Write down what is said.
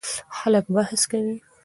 خلک بحث کوي.